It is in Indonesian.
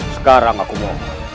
sekarang aku mau